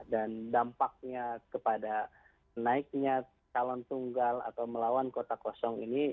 dan dampaknya kepada naiknya calon tunggal atau melawan kota kosong ini